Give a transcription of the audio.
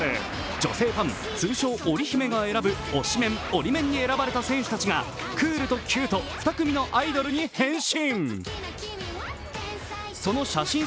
女性ファン、通称、オリメンに選ばれた選手たちがクールとキュート、２組のアイドルに変身。